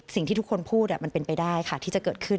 สิ่งที่ทุกคนพูดมันเป็นไปได้ค่ะที่จะเกิดขึ้น